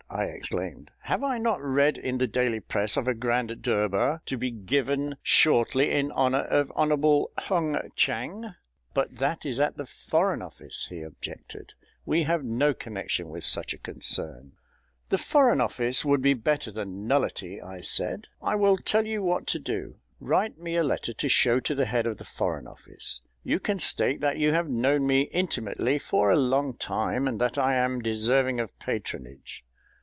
I exclaimed. "Have I not read in the daily press of a grand durbar to be given shortly in honour of Hon'ble HUNG CHANG?" "But that is at the Foreign Office," he objected; "we have no connection with such a concern." [Illustration: "PITCH IT STRONG, MY RESPECTABLE SIR!"] "The Foreign Office would be better than nullity," I said. "I will tell you what to do. Write me a letter to show to the head of the Foreign Office. You can state that you have known me intimately for a long time, and that I am deserving of patronage.